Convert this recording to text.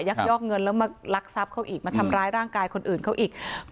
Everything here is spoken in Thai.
ยอกเงินแล้วมาลักทรัพย์เขาอีกมาทำร้ายร่างกายคนอื่นเขาอีก